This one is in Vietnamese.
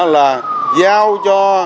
là giao cho